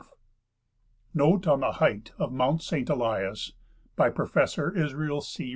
NOTE ON THE HEIGHT OF MOUNT SAINT ELIAS BY PROFESSOR ISRAEL C.